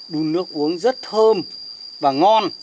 đun nước uống rất thơm và ngon